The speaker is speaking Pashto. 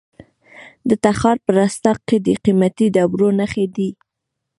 د تخار په رستاق کې د قیمتي ډبرو نښې دي.